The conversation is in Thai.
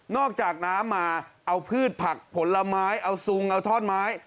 จากน้ำมาเอาพืชผักผลไม้เอาซุงเอาท่อนไม้